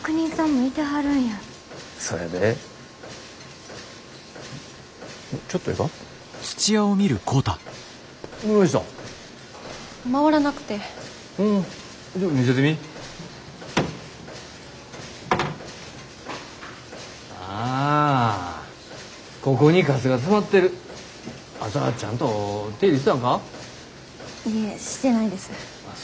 いえしてないです。